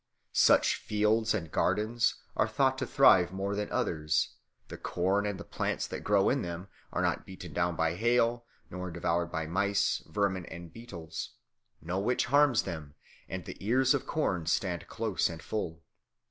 Such fields and gardens are thought to thrive more than others; the corn and the plants that grow in them are not beaten down by hail, nor devoured by mice, vermin, and beetles; no witch harms them, and the ears of corn stand close and full.